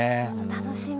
楽しみ！